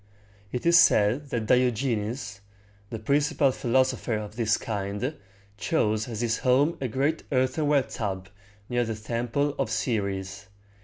It is said that Diogenes, the principal philosopher of this kind, chose as his home a great earthenware tub near the Temple of Ce´res.